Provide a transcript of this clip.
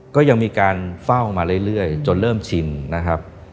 ก็ยังมีการเฝ้ามาเรื่อยจนเริ่มชินนะครับ